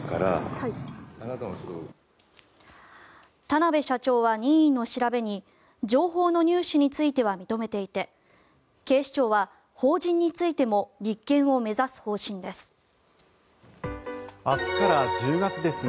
田邊社長は任意の調べに情報の入手については認めていて警視庁は法人についても立件を目指す方針です。